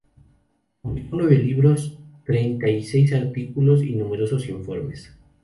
Publicó nueve libros, treinta y seis artículos y numerosos informes.